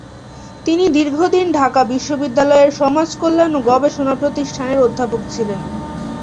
তিনি দীর্ঘদিন ঢাকা বিশ্ববিদ্যালয়ের সমাজকল্যাণ ও গবেষণা প্রতিষ্ঠানের অধ্যাপক ছিলেন।